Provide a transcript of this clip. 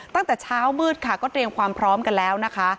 ตั้งแต่เช้ามืดค่ะก็เตรียมความพร้อมกันแล้วนะคะ